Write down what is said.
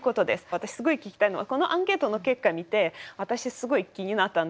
私すごい聞きたいのはこのアンケートの結果見て私すごい気になったんですよ。